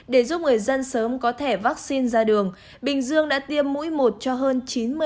để giúp người dân sớm có thẻ vaccine ra đường bình dương đã tiêm mũi một cho hơn chín mươi